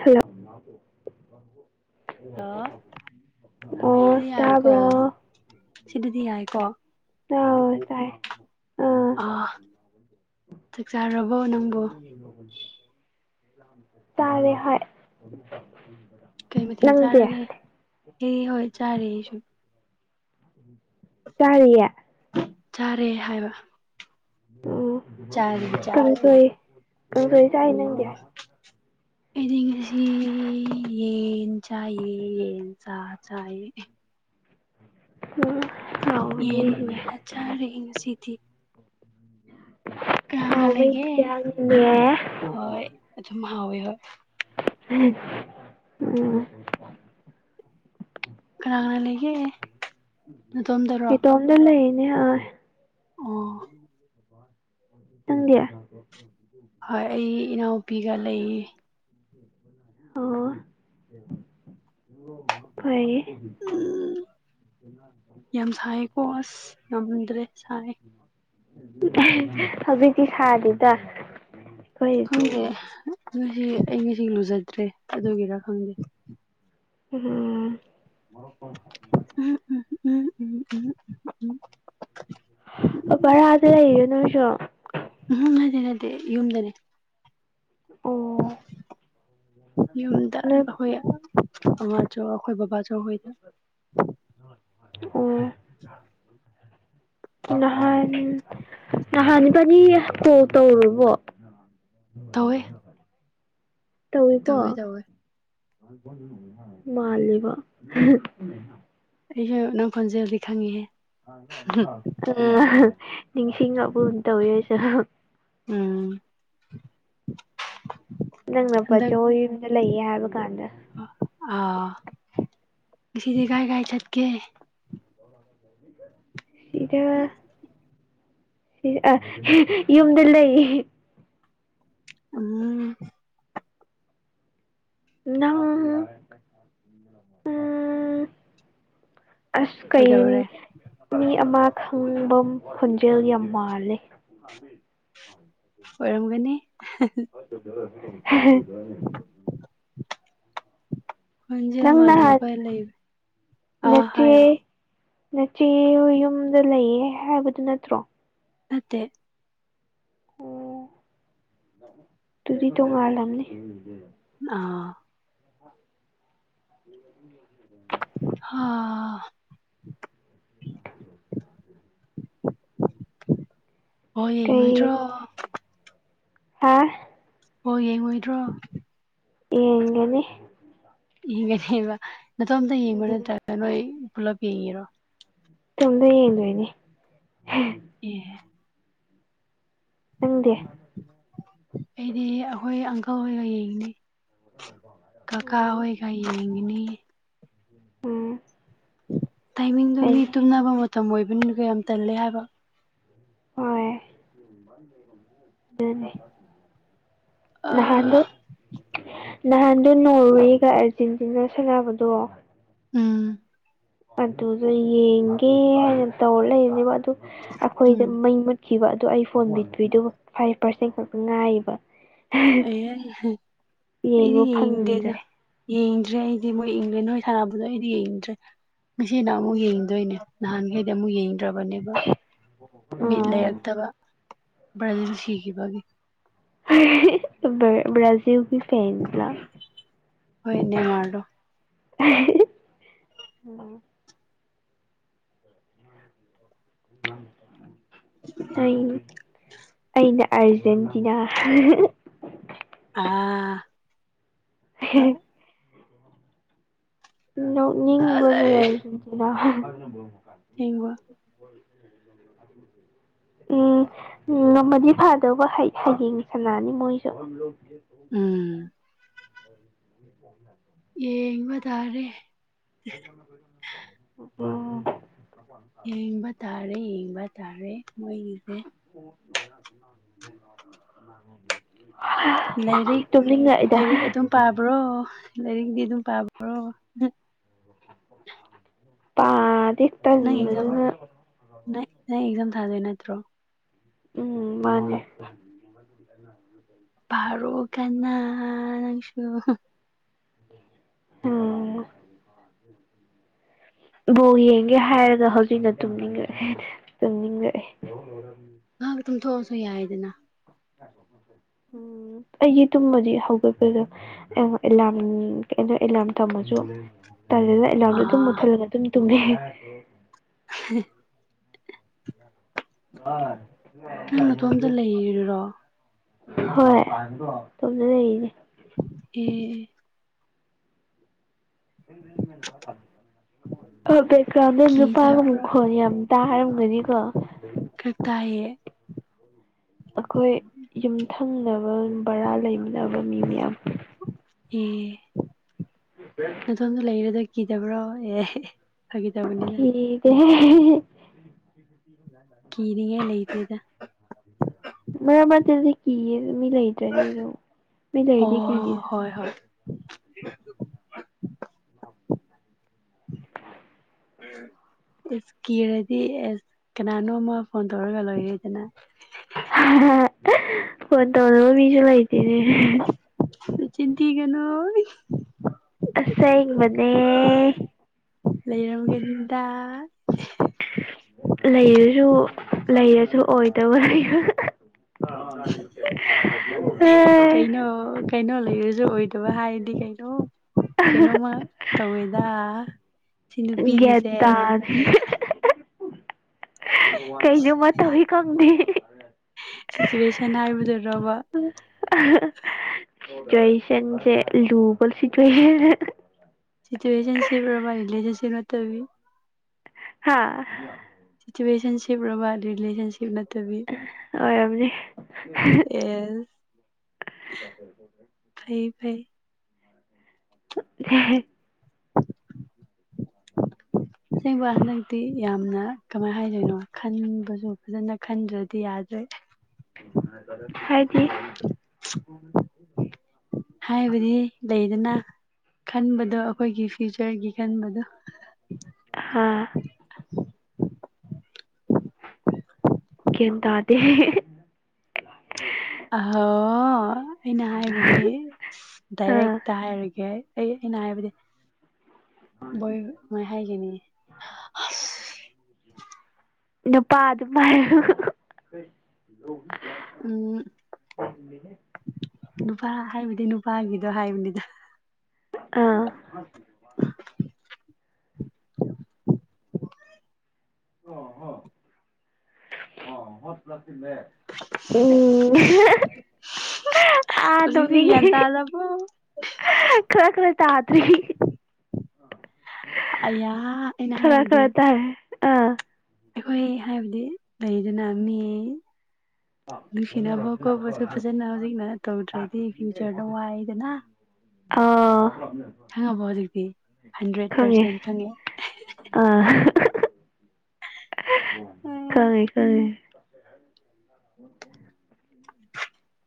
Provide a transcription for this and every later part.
hello hello ꯑꯣ ꯁꯤꯗꯤ ꯌꯥꯏꯀꯣ ꯇꯥꯔꯕ ꯁꯤꯗꯗꯤ ꯌꯥꯏꯀꯣ ꯍ ꯇꯥꯏ ꯑ ꯑ ꯊꯁ ꯇꯥꯦ ꯍꯥꯏꯔ ꯀꯩ ꯃꯊꯦꯜ ꯆꯥꯔꯒꯦ ꯑꯦ ꯍꯣꯏ ꯆꯥꯔꯦ ꯑꯩꯁꯨ ꯆꯔꯤꯌꯦ ꯆꯥꯔꯦ ꯍꯥꯏꯕ ꯎꯝ ꯆꯥꯔꯦ ꯆꯥꯔꯦ ꯀꯥꯡꯁꯣꯏ ꯀꯥꯡꯁꯣꯏ ꯆꯏ ꯅꯪꯗꯤ ꯑꯩꯗꯤꯂꯤꯁꯤ ꯌꯦꯦꯟ ꯆꯥꯏ ꯌꯦ ꯆꯥ ꯆ ꯎꯝ ꯌꯦꯟ ꯍꯥꯎꯕꯅꯦꯅꯦ ꯑꯣꯏꯅ ꯆꯥꯔꯦ ꯉꯁꯤꯗꯤ ꯀꯥꯡ ꯍꯥꯎꯕ ꯂꯩꯒꯦ ꯏꯟꯖꯥꯡꯅꯦ ꯍꯣꯏ ꯑꯗꯨꯝ ꯍꯥꯎꯋꯦ ꯍꯣꯏ ꯎꯝ ꯀꯅꯥ ꯀꯅꯥ ꯂꯩꯒꯦ ꯑꯗꯣꯝꯗꯔꯣ ꯂꯩ ꯏꯅꯦ ꯍ ꯑꯣ ꯄ ꯅꯪꯒꯌꯥ ꯍꯣꯏ ꯑꯩ ꯏꯅꯥꯎꯨꯄꯤꯒ ꯂꯩꯌꯦ ꯑꯣ ꯑꯩ ꯎꯝ ꯀ ꯌꯥꯝ ꯁꯥꯏꯀꯣ ꯑꯁ ꯉꯝꯗ꯭ꯔꯦ ꯁꯥꯏ ꯍꯧꯖꯤꯛꯇꯤ ꯁꯥꯗꯦꯗ ꯑꯩꯈꯣꯏꯗꯤ ꯈꯪꯗꯦ ꯉꯁꯤ ꯑꯩ ꯉꯁꯤ ꯂꯨꯖꯗ꯭ꯔꯦ ꯑꯗꯨꯒꯤꯔ ꯈꯪꯗꯦ ꯎꯝ ꯎ ꯎꯝ ꯎꯝ ꯎꯝ ꯎꯝ ꯎꯝ ꯑꯣ ꯕꯔꯥꯗ ꯂꯩꯒꯦ ꯅꯣꯏꯁꯨ ꯗ ꯅꯗꯤꯦ ꯌꯨꯝꯗꯅꯦ ꯑꯣ ꯌꯨꯝꯗ ꯅꯣꯏ ꯑꯩꯈꯣꯏ ꯑꯉ ꯆ ꯑꯩꯈꯣꯏ ꯕꯕꯥꯁꯨ ꯑꯩꯈꯣꯏꯗ ꯑꯣ ꯅꯍꯥꯟ ꯅꯍꯥꯟ ꯐꯅꯤ ꯀꯣ ꯇꯧꯨꯔꯕꯣ ꯇꯧꯋꯦ ꯇꯧꯏꯀꯣ ꯇꯧꯋꯦ ꯇꯧꯋꯦ ꯃꯥꯂꯦꯕ ꯑꯩꯁꯨ ꯅꯪ ꯐꯣꯟꯖꯦꯜꯗꯤ ꯈꯪꯉꯤꯍꯦ ꯑ ꯅꯤꯡꯁꯤꯡꯉꯕꯨ ꯇꯧꯋꯦ ꯑꯩꯁꯨ ꯎꯝ ꯅꯪꯅ ꯍꯟꯗꯛ ꯄꯣꯠꯆꯣ ꯌꯨꯝꯗ ꯂꯩꯌꯦ ꯍꯥꯏꯕ ꯀꯥꯟꯗ ꯑ ꯁꯤꯁꯤꯗꯤ ꯀꯥꯏ ꯈꯥꯏ ꯆꯠꯀꯦ ꯦ ꯁꯤꯗ ꯁꯤ ꯌꯨꯝꯗ ꯂꯩ ꯎꯝ ꯅꯪ ꯎ ꯑꯁ ꯀꯩ ꯀꯩꯗꯧꯔꯦ ꯃꯤ ꯑꯃ ꯈꯪꯕ ꯈꯣꯟꯖꯦꯜ ꯌꯥꯝ ꯃꯥꯜꯂꯦ ꯑꯕꯤ ꯑꯣꯏꯔꯝꯒꯅꯤ [unintelligible] [unintelligible] ꯍꯟꯖꯦꯜ ꯅꯪ ꯅꯍꯥꯟ ꯃꯥꯅꯕ ꯂꯩ ꯑꯥ ꯍꯥꯏ ꯌꯣ ꯅꯆꯦ ꯅꯆꯦ ꯗꯨ ꯌꯨꯝꯗ ꯂꯩꯌꯦ ꯍꯥꯏꯕꯗꯨ ꯅꯠꯇ꯭ꯔꯣ ꯅꯠꯇꯦ ꯑꯗꯨꯗꯤ ꯇꯣꯉꯜ ꯂꯝꯅꯤ ꯑꯣ [unintelligible] ꯍꯥ ꯕꯥꯜꯂ ꯌꯦꯡꯉꯣꯏꯗ꯭ꯔꯣ ꯍꯥꯥ ꯑꯣ ꯌꯦꯡꯉꯣꯏꯗ꯭ꯔꯣ ꯌꯦꯒꯗꯤ ꯌꯦꯡꯒꯅꯦꯕ ꯅꯇꯣꯝꯇ ꯎꯝ ꯌꯦꯡꯕ ꯅꯠꯇ꯭ꯔꯒ ꯅꯣꯏ ꯄꯨꯂꯞ ꯌꯦꯡꯉꯔꯣ ꯇꯣꯝꯗ ꯌꯦꯡꯗꯣꯏꯅꯦ ꯑꯦ ꯅꯪꯗꯤꯦ ꯑꯩꯗꯤ ꯑꯩꯈꯣꯏ ꯑꯪꯀꯜ ꯍꯒ ꯌꯦꯡꯅꯤ ꯀꯀꯥ ꯎꯝ ꯍꯣꯏꯒ ꯌꯦꯡꯉꯤꯅꯤ ꯎꯝ ꯇꯥꯏꯃꯤꯡꯗꯨꯣ ꯃꯤ ꯐꯩꯌꯦ ꯇꯨꯝꯅꯕ ꯃꯇꯝ ꯑꯣꯏꯕꯅꯤꯅ ꯀ ꯌꯥꯝ ꯇꯜꯂꯦ ꯍꯥꯏꯕ ꯍꯣꯏ ꯑꯗꯨꯅꯦ ꯑ ꯅꯍꯥꯟꯗꯣ ꯅꯍꯥꯟꯗꯨ ꯅꯣꯔꯋꯦꯒ ꯑꯥꯔꯖꯦꯟꯇꯤꯅꯥ ꯁꯥꯟꯅꯕꯗꯣ ꯎꯝ ꯑꯗꯨꯗ ꯌꯦꯡꯒꯦ ꯍꯥꯏꯅ ꯇꯧꯔ ꯂꯩꯕꯅꯦꯕ ꯑꯗꯨ ꯑꯩꯈꯣꯏꯗ ꯎꯝ ꯃꯩ ꯃꯨꯠ ꯈꯤꯕ ꯑꯗꯣ ꯑꯩ ꯐꯣꯟ ꯄꯗ꯭ꯔꯤꯗꯨꯕꯨ ꯐꯥꯏꯚ ꯄꯥꯔꯁꯦꯟ ꯈꯛꯇ ꯉꯥꯏꯕ ꯑꯦ ꯑꯩꯗꯤ ꯌꯦꯡꯕ ꯌꯦꯡꯗꯦꯗ ꯐꯪꯗꯔꯦ ꯌꯦꯡꯗ꯭ꯔꯦ ꯑꯩꯗꯤ ꯃꯣꯏ ꯑꯦꯡꯂꯥꯟ ꯍꯣꯏ ꯁꯥꯟꯅꯕꯗꯣ ꯑꯩꯗꯤ ꯌꯦꯡꯗ꯭ꯔꯦ ꯉꯁꯤꯅ ꯑꯃꯨꯛ ꯎꯝ ꯌꯦꯡꯗꯣꯏꯅꯦ ꯅꯍꯥꯟꯈꯩꯗꯤ ꯑꯃꯨꯛ ꯌꯦꯡꯗ꯭ꯔꯕꯅꯦꯕ ꯕꯤꯠ ꯑꯥ ꯂꯩꯔꯛꯇꯕ ꯕ꯭ꯔꯥꯖꯤꯜ ꯁꯤꯈꯤꯕꯒꯤ ꯕ꯭ꯔꯖꯤꯒꯤ ꯐꯥꯟꯗ ꯂꯤ ꯍꯣꯏ ꯅꯦꯃꯔ ꯗꯣ ꯎꯝ ꯑꯩ ꯑꯩꯅ ꯑꯔꯖꯦꯟꯇꯤꯅꯥ ꯑ ꯍꯤ ꯅꯤꯡꯅꯤꯡ ꯕꯅꯦ ꯑꯔꯖꯟꯇꯤꯅꯥ ꯍꯦꯡꯕ ꯎꯝ ꯉꯝꯃꯗꯤ ꯐꯥꯗꯧꯕ ꯍꯌꯦꯡ ꯁꯅꯥꯅꯤ ꯃꯣꯏꯁꯨ ꯎꯝ ꯎ ꯌꯦꯡꯕ ꯇꯥꯔꯦ ꯎ ꯌꯦꯡꯕ ꯇꯥꯔꯦ ꯌꯦꯡꯕ ꯇꯥꯔꯦ ꯃꯣꯏꯒꯤꯁꯦ ꯍ ꯇꯨꯝꯂꯤꯉꯛꯏꯗ ꯔ꯭ꯔꯣ ꯂꯩꯔꯤꯛꯗꯤ ꯑꯗꯨꯝ ꯄꯥꯕ꯭ꯔꯣ ꯑꯣ ꯄꯥꯗꯦ ꯅꯪ ꯑꯦꯛꯖꯥꯝ ꯅ ꯅꯪ ꯑꯦꯛꯖꯥꯝ ꯊꯥꯗꯣꯏ ꯅꯠꯇ꯭ꯔꯣ ꯎꯝ ꯃꯥꯅꯤ ꯐꯥꯔꯣ ꯀꯟꯅ ꯅꯪꯁꯨ ꯑꯣꯝ ꯕꯣ ꯌꯦꯡꯒꯦ ꯍꯥꯏꯔꯒ ꯍꯧꯖꯤꯛꯅ ꯇꯨꯝꯅꯤꯡꯉꯛꯦ ꯇꯨꯝꯅꯤꯡꯂꯛꯑꯦ ꯉꯥꯛ ꯇꯝ ꯊꯣꯛꯑꯁꯨ ꯌꯥꯏꯗꯅ ꯎꯝ ꯑꯩꯒꯤ ꯇꯨꯝꯃꯗꯤ ꯍꯧꯒꯠꯄꯗ ꯑꯦ ꯑꯦꯂꯝ ꯑꯦꯂꯝ ꯊꯝꯃꯁꯨ ꯑꯦꯂꯥꯝꯟꯗꯣ ꯑꯗꯨꯝ ꯑꯥ ꯃꯨꯠꯊꯠꯂꯒ ꯑꯗꯨꯝ ꯇꯨꯝꯃꯦ [unintelligible] ꯑ ꯅꯪ ꯅꯇꯣꯝꯇ ꯂꯩꯔꯤꯔꯣ ꯍꯣꯏ ꯏꯇꯣꯝꯇ ꯂꯩꯔꯤꯅꯦ ꯑꯦ ꯃꯅ ꯑꯣ ꯕꯦꯛꯒ꯭ꯔꯥꯎꯟꯗ ꯅꯨꯄꯥꯒ ꯑꯃꯨꯛ ꯀꯤꯗꯕ꯭ꯔꯥ ꯈꯣꯟ ꯌꯥꯝ ꯇꯥꯔꯝꯒꯅꯤꯀꯣ ꯈꯥ ꯇꯏꯌꯦ ꯑꯩꯈꯣꯏ ꯌꯨꯝꯊꯪꯅꯕ ꯕꯔꯥ ꯂꯩꯃꯤꯅꯕ ꯃꯤ ꯃꯌꯥꯝ ꯑꯦ ꯐ ꯅꯗꯣꯝꯇꯥ ꯂꯩꯔꯤꯗꯣ ꯀꯤꯗꯕ꯭ꯔꯣ ꯑꯦ ꯐꯒꯤ ꯇꯧꯕꯅꯤꯗ ꯍꯒ ꯀꯤꯅꯤꯉꯥꯢ ꯂꯩꯇꯦꯗ ꯃꯔꯕꯥꯗꯗꯤ ꯀ ꯃꯤ ꯂꯩꯗꯔꯅꯣ ꯃꯤ ꯑꯣ ꯂꯩꯗꯤꯦ ꯍꯣꯏ ꯍꯣꯏ ꯑꯦꯁ ꯀꯤꯔꯗꯤ ꯑꯦꯁ ꯀꯅꯥꯅꯣꯃ ꯐꯣꯟ ꯇꯧꯔꯒ ꯂꯣꯏꯔꯦꯗꯅ ꯐꯣꯟ ꯇꯧꯅꯕ ꯃꯤꯁꯨ ꯂꯩꯇꯦꯅꯦ ꯆꯤꯟꯊꯤ ꯀꯩꯅꯣ ꯑꯣꯏ ꯑꯁꯦꯡꯕꯅꯦ ꯂꯩꯔꯝꯒ ꯂꯤꯗ ꯂꯩꯔꯁꯨ ꯂꯩꯔꯁꯨ ꯑꯣꯏꯗꯕ ꯂꯩ [inaudible] [unintelligible] ꯀꯩꯅꯣ ꯀꯩꯅꯣ ꯂꯩꯔꯁꯨ ꯑꯣꯏꯗꯕ ꯍꯥꯏꯔꯗꯤ ꯀꯩꯅꯣ ꯀꯩꯅꯣꯝꯃ ꯊꯧ ꯏꯗ ꯒ꯭ꯌꯥꯟ ꯇꯥꯗꯦ ꯀꯩꯅꯣꯃ ꯇꯧꯋꯤ ꯈꯪꯗꯦ ꯁꯤꯆꯨꯋꯦꯁꯟ ꯍꯥꯏꯕꯗꯨꯔꯕ ꯁꯤꯆꯨꯋꯦꯁꯟꯁꯦ ꯂꯨꯕꯜ ꯁꯤꯆꯨꯋꯦꯁꯟ ꯁꯤꯇ ꯑꯦꯖꯦꯟꯁꯤ ꯄ꯭ꯔꯣꯕꯥꯅꯤꯜ ꯑꯦꯖꯦꯟꯁꯤ ꯅꯠꯇꯕꯤ ꯍꯥꯥ ꯁꯤꯆꯨꯋꯦꯁꯟꯁꯤꯞ ꯑꯣꯏꯕ ꯔꯤꯂꯦꯁꯟꯁꯤꯞ ꯅꯠꯇꯦ ꯑꯣꯏꯔꯝꯅꯦ ꯑꯦꯁ [inaudible] ꯐꯩ ꯐꯩ [inaudible] [inaudible] ꯑꯁꯦꯡꯕ ꯍꯟꯛꯇꯤ ꯌꯥꯝꯅ ꯀꯃꯥꯏꯅ ꯍꯥꯏꯗꯣꯏꯅꯣ ꯈꯟꯕꯁꯨ ꯐꯖꯅ ꯈꯟꯗ꯭ꯔꯗꯤ ꯌꯥꯗ꯭ꯔꯦ ꯍꯥꯏ ꯗꯤ ꯍꯥꯏꯕꯗꯤ ꯂꯩꯗꯅ ꯈꯟꯕꯗꯣ ꯑꯩꯈꯣꯏꯒꯤ ꯐ꯭ꯌꯨꯆꯔꯒꯤ ꯈꯟꯕꯗꯣ ꯑꯣꯝ ꯒꯤꯗꯗꯦ ꯑꯍ ꯑꯩꯅ ꯍꯥꯏꯕꯗꯤ ꯑꯥ ꯗꯥꯏꯔꯦꯛꯇ ꯍꯥꯏꯔꯒꯦ ꯑꯩ ꯑꯩꯅ ꯍꯥꯏꯕꯗꯤ ꯕꯣꯏ ꯃꯥꯏ ꯍꯥꯏꯒꯅꯤꯌꯦ ꯅꯨꯄꯥ ꯑꯗꯨꯃꯣ ꯂꯒꯤ ꯀ ꯎꯝ ꯅꯨꯄꯥ ꯍꯥꯏꯕꯗꯤ ꯅꯨꯄꯥꯒꯤꯗꯣ ꯍꯥꯏꯕꯅꯤꯗ ꯑꯥ ꯑꯣ ꯍ ꯑꯣ ꯍꯣꯁ ꯄ꯭ꯂꯁꯤ ꯂꯩꯦ ꯎꯝ ꯑ ꯇꯅꯤꯡꯉꯦ ꯕ ꯈꯔ ꯈꯔ ꯇꯥꯇꯔꯤ ꯑꯌꯥ ꯑꯩꯅ ꯈꯔ ꯍꯥꯏꯕꯗꯤ ꯊꯔ ꯇ ꯑꯥ ꯑꯩꯈꯣꯏ ꯍꯥꯏꯕꯗꯤ ꯂꯩꯗꯅ ꯃꯤ ꯅꯨꯡꯁꯤꯅꯕ ꯈꯣꯠꯄꯁꯨ ꯐꯖꯅ ꯍꯧꯖꯤꯛꯅ ꯇꯧꯗ꯭ꯔꯗꯤ ꯐ꯭ꯌꯨꯆꯔꯗ ꯋꯥꯏꯗꯅ ꯑꯥ ꯈꯪꯉꯕꯣ ꯍꯧꯖꯤꯛꯇꯤ ꯍꯟꯗ꯭ꯔꯦꯠ ꯄꯥꯔꯁꯦꯟ ꯈꯪꯉꯦ ꯑ ꯈꯪꯉꯦ ꯈꯪꯉꯦ ꯎꯝ [inaudible]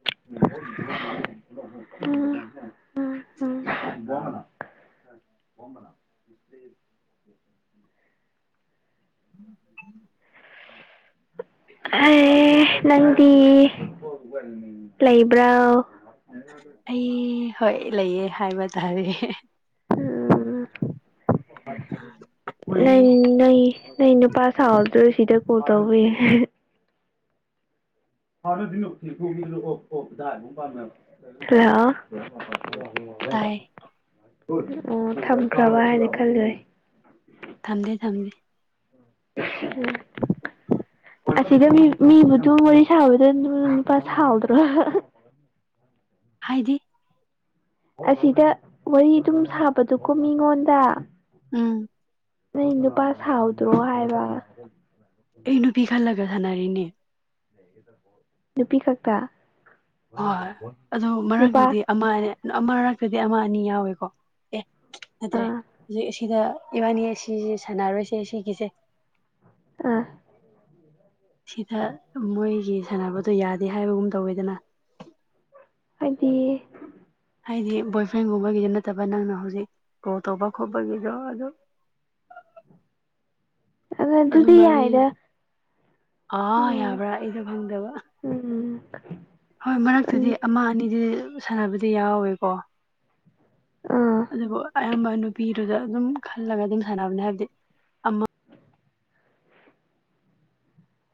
[inaudible] ꯑꯦ ꯅꯪꯗꯤ ꯂꯩꯕ꯭ꯔꯣ ꯑꯩ ꯍꯣꯏ ꯂꯩꯌꯦ ꯍꯥꯏꯕ ꯇꯥꯔꯦ ꯎ ꯂꯩꯌꯦ ꯅ ꯅꯨꯄꯥ ꯁꯥꯥꯎꯍꯧꯗ꯭ꯔꯣꯏ ꯁꯤꯗ ꯀꯣꯜ ꯇꯧꯕꯤ ꯐꯥꯅꯅ ꯐꯤꯔꯈꯨ ꯑꯣ ꯑꯣ ꯇꯥꯏ ꯑꯣ ꯊꯝꯈ꯭ꯔꯕ ꯍꯥꯏꯅ ꯈꯜꯖꯩ ꯊꯝꯖ ꯊꯝꯖꯦ ꯎꯝ ꯑꯁꯤꯒ ꯃꯤ ꯃꯤꯕꯨꯗꯨ ꯋꯥꯔꯤ ꯁꯥꯕꯗ ꯅꯨꯄꯥ ꯁꯥꯎꯗ꯭ꯔꯣ ꯍꯥꯏꯗꯤ ꯑꯁꯤꯗ ꯋꯥꯔꯤ ꯑꯗꯨꯝ ꯁꯥꯕꯗꯨꯀꯣ ꯃꯤꯉꯣꯟꯗ ꯎꯝ ꯅꯪ ꯅꯨꯄꯥ ꯁꯥꯎꯗ꯭ꯔꯣ ꯍꯥꯏꯕ ꯑꯩ ꯅꯨꯄꯤ ꯈꯜꯂꯒ ꯁꯥꯟꯅꯔꯤꯅꯦ ꯅꯨꯄꯤ ꯈꯛꯇ ꯅꯨꯄꯥ ꯑꯃꯅꯦ ꯑꯃꯛꯇꯗꯤ ꯑꯃ ꯑꯅꯤ ꯌꯥꯎꯋꯦꯀꯣ ꯑꯦ ꯅꯠꯇ꯭ꯔꯦ ꯑꯥ ꯍꯧꯖꯤꯛ ꯑꯁꯤꯗ ꯏꯕꯥꯅꯤ ꯑꯁꯤꯁꯦ ꯁꯥꯟꯅꯔꯣꯏꯁꯦ ꯁꯤꯒꯤꯁꯦ ꯑꯥ ꯁꯤꯗ ꯃꯣꯏꯒꯤ ꯁꯥꯟꯅꯕꯗꯣ ꯌꯥꯗꯦ ꯍꯥꯏꯕꯒꯨꯝ ꯇꯧꯋꯦꯗꯅ ꯍꯥꯏꯗꯤ ꯍꯥꯏꯗꯤ ꯕꯣꯏ ꯐ꯭ꯔꯦꯟꯒꯨꯝꯕꯒꯤꯁꯨ ꯅꯠꯇꯕ ꯅꯪꯅ ꯍꯧꯖꯤꯛ ꯀꯣ ꯇꯧꯕ ꯈꯣꯠꯄꯒꯤꯗꯣ ꯑꯗꯨ ꯑꯗꯨꯗꯤ ꯑꯗꯨꯃꯔꯤ ꯌꯥꯏꯗ ꯑꯥ ꯎꯝ ꯌꯥꯕ꯭ꯔꯥ ꯑꯩꯗ ꯐꯪꯗꯕ ꯎꯝ ꯍꯣꯏ ꯃꯔꯛꯇꯗꯤ ꯎꯝ ꯑꯃ ꯑꯅꯤꯗꯤ ꯁꯥꯟꯅꯕꯗꯤ ꯌꯥꯎꯋꯦꯀꯣ ꯑꯥ ꯑꯗꯨꯕꯨ ꯑꯌꯥꯝꯕ ꯅꯨꯄꯤꯗꯨꯗ ꯑꯗꯨꯝ ꯈꯜꯂꯒ ꯑꯗꯨꯝ ꯁꯥꯟꯅꯕꯅꯦ ꯍꯥꯏꯕꯗꯤ ꯑꯃ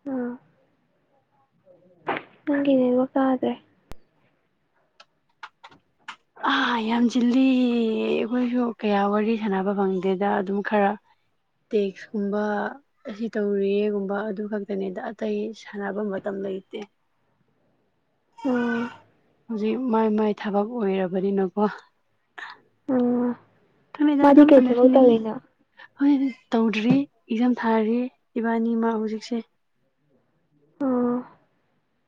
ꯎꯝ ꯅꯪꯤꯅꯦ ꯋꯥ ꯀꯥꯗ꯭ꯔꯦ ꯑꯥ ꯌꯥꯝ ꯆꯤꯜꯂꯤ ꯑꯩꯈꯣꯏꯁꯨ ꯀꯌꯥ ꯋꯥꯔꯤ ꯁꯥꯟꯅꯕ ꯐꯪꯗꯦꯗ ꯑꯗꯨꯝ ꯈꯔ ꯇꯦꯛꯁꯀꯨꯝꯕ ꯑꯁꯤ ꯇꯧꯔꯤꯌꯦꯒꯨꯝꯕ ꯑꯗꯨ ꯈꯛꯇꯅꯤꯗ ꯑꯇꯩ ꯁꯥꯟꯅꯕ ꯃꯇꯝ ꯂꯩꯇꯦ ꯑ ꯍꯧꯖꯤꯛ ꯃꯥꯏ ꯃꯥꯏ ꯊꯕꯛ ꯑꯣꯏꯔꯕꯅꯤꯅꯀꯣ ꯑꯥ ꯑꯗꯨꯗ ꯃꯥꯗꯤ ꯑꯗꯨꯝ ꯀꯩ ꯊꯕꯛ ꯃꯅꯔꯅꯤ ꯇꯧꯔꯤꯅꯣ ꯍꯣꯏ ꯇꯧꯗ꯭ꯔꯤ ꯑꯦꯛꯖꯥꯝ ꯊꯥꯔꯤ ꯏꯕꯥꯅꯤꯃ ꯍꯧꯖꯤꯛꯁꯦ ꯎꯝ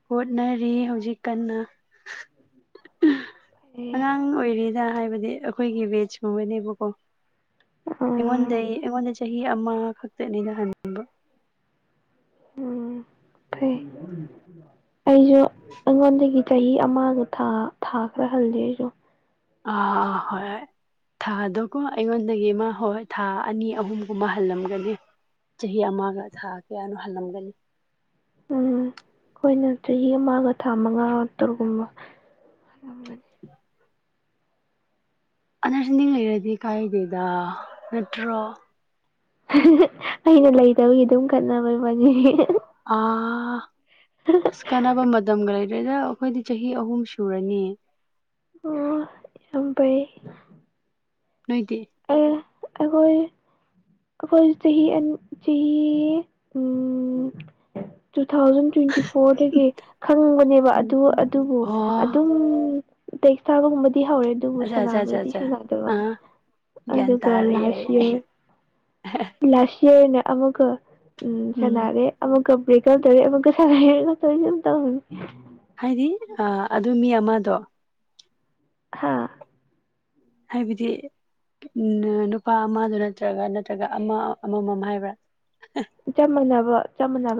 ꯍꯣꯠꯅꯔꯤ ꯍꯧꯖꯤꯛ ꯀꯟꯅ ꯑꯦ ꯑꯉꯥꯡ ꯑꯣꯏꯔꯤ ꯍꯥꯏꯕꯗꯤ ꯑꯩꯈꯣꯏꯒꯤ ꯕꯦꯖꯀꯨꯝꯕꯅꯦꯕꯀꯣ ꯑꯥ ꯑꯩꯉꯣꯟꯗ ꯑꯩꯉꯣꯟꯗ ꯆꯍꯤ ꯑꯃ ꯈꯛꯇꯅꯤꯩꯅ ꯍꯟꯕ ꯎꯝ ꯐꯩ ꯑꯩꯁꯨ ꯑꯩꯉꯣꯟꯗꯒꯤ ꯆꯍꯤ ꯑꯃꯒ ꯊꯥꯈ꯭ꯔ ꯍꯜꯂꯦ ꯑꯩꯁꯨ ꯑ ꯍꯣꯏ ꯊꯥꯗꯣꯀꯣ ꯑꯩꯉꯣꯟꯗꯒꯤ ꯑꯃ ꯍꯣꯏ ꯊꯥ ꯑꯅꯤ ꯑꯍꯨꯝꯒꯨꯝꯕ ꯍꯜꯂꯝꯒꯅꯤ ꯆꯍꯤ ꯑꯃꯒ ꯊꯥ ꯀꯌꯥꯅꯣ ꯍꯜꯂꯝꯒꯅꯤ ꯎꯝ ꯑꯩꯈꯣꯏꯅ ꯆꯍꯤ ꯑꯃꯒ ꯊꯥ ꯃꯉꯥ ꯇꯔꯛꯒꯨꯝꯕ ꯎ ꯑꯅꯔꯁꯟꯗꯤ ꯂꯩꯔꯗꯤ ꯀꯥꯏꯗꯦꯗ ꯅꯠꯇ꯭ꯔꯣ ꯑꯩꯅ ꯂꯩꯇꯕꯒꯤ ꯑꯗꯨꯝ ꯈꯠꯅꯕꯩꯅꯤ ꯑ ꯑꯁ ꯀꯅꯥꯕꯝꯕꯗꯝꯒ꯭ꯔ ꯑꯗꯨꯗꯩꯗ ꯑꯩꯈꯣꯏꯗꯤ ꯆꯍꯤ ꯑꯍꯨꯝ ꯁꯨꯔꯅꯤ ꯑꯣ ꯌꯥꯝ ꯐꯩ ꯅꯣꯏꯗꯤ ꯑꯦ ꯑꯩꯈꯣꯏ ꯑꯩꯈꯣꯏ ꯆꯍꯤ ꯆꯍꯤ ꯎꯝ ꯇꯨ ꯊꯥꯎꯖꯟ ꯇ꯭ꯋꯦꯟꯇꯤ ꯐꯣꯔꯗꯒꯤ ꯈꯪꯕꯅꯦꯕ ꯑꯗꯨ ꯑꯗꯨꯕꯨ ꯑꯣ ꯑꯗꯨꯝ ꯇꯦꯛꯁꯇꯥꯕꯒꯨꯝꯕꯗꯤ ꯍꯧꯔꯦ ꯑꯗꯨꯕꯨ ꯑꯠꯆꯥ ꯑꯠꯆꯥ ꯑꯠꯆꯥ ꯁꯥꯟꯅꯥꯕꯨꯗꯤ ꯑꯠꯆꯥ ꯁꯥꯟꯅꯥꯗꯕ ꯑꯥ ꯒ꯭ꯌꯥꯟ ꯑꯗꯨꯒ ꯀ ꯇꯥꯔꯦ ꯑꯩ ꯂꯥꯁꯥꯁꯦ ꯂꯥꯁ ꯌꯌꯥꯔꯅꯦ ꯑꯃꯨꯛꯀ ꯎꯝ ꯁꯥꯟꯅꯔꯦ ꯑꯃ ꯀꯕꯀ ꯇꯔꯤ ꯑꯃꯨ ꯀ ꯁ ꯀ ꯇꯔ ꯇ ꯍꯅꯤ ꯍꯥꯏꯗꯤ ꯑꯗꯨ ꯃꯤ ꯑꯃꯗꯣ ꯍꯥꯥ ꯍꯥꯏꯕꯗꯤ ꯎ ꯅꯨꯄꯥ ꯑꯃꯗꯨ ꯅꯠꯇ꯭ꯔꯒ ꯅꯠꯇ꯭ꯔꯒ ꯑꯃ ꯑꯃꯃꯝ ꯍꯥꯏꯕ꯭ꯔꯥ ꯆꯞ ꯃꯥꯟꯅꯕ ꯆꯞ ꯃꯥꯟꯅꯕ